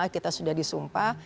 kita sudah disumpah